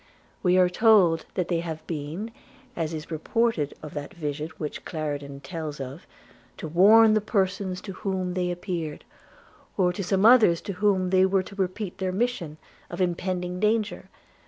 We are told that they have been seen (as is reported of that vision which Clarendon tells of), to warn the persons to whom they appeared, or some others to whom they were to repeat their mission, of impending danger.